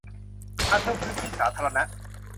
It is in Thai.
การเพิ่มพื้นที่สาธารณะ